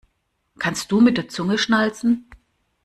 Kannst du mit der Zunge schnalzen?